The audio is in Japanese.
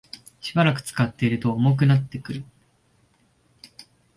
しばらく使っていると重くなってくる